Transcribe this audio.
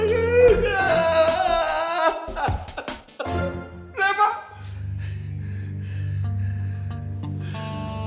mas aku mau pergi